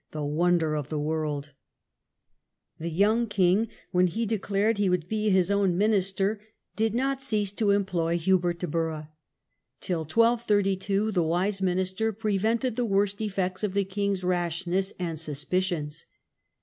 the * wonder of the world '. The young king, when he declared he would be his own BEGINNING OF TROUBLESL 63 minister, did not cease to employ Hubert de Burgh. Till 1232 the wise minister prevented the worst effects of the king's rashness and suspicions.